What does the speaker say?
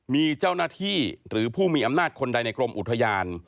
มีเจ้าหน้าที่หรือผู้มีอำนาจคนใดในกรมอุทยาน